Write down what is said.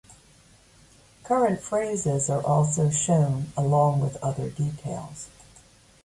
Current phases are also shown along with other details.